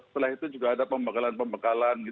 setelah itu juga ada pembekalan pembekalan